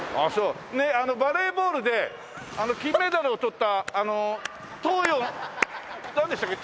ねえバレーボールで金メダルをとった東洋の誰でしたっけ？